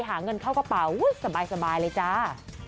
หาเงินเข้ากระเป๋าสบายเลยจ้า